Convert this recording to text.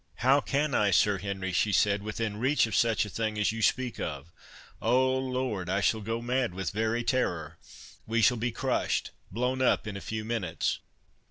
"How can I, Sir Henry," she said, "within reach of such a thing as you speak of?—O Lord! I shall go mad with very terror—we shall be crushed—blown up—in a few minutes!"